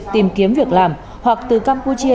tìm kiếm việc làm hoặc từ campuchia